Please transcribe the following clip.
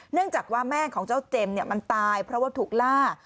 เนื่องจากว่าแม่ของเจ้าเจมส์มันตายเพราะว่าถูกล่า